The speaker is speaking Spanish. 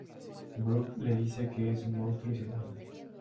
Brooke le dice que es un monstruo y se larga.